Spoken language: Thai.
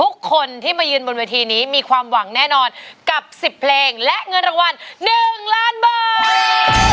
ทุกคนที่มายืนบนเวทีนี้มีความหวังแน่นอนกับ๑๐เพลงและเงินรางวัล๑ล้านบาท